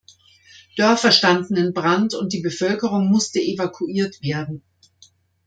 Dörfer standen in Brand und die Bevölkerung musste evakuiert werden.